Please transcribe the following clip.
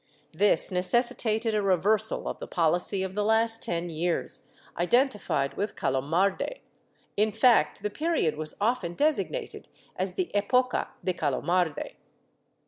^ This necessitated a reversal of the policy of the last ten years, identified with Calomarde — in fact the period w^as often desig nated as the Epocha de Calomarde.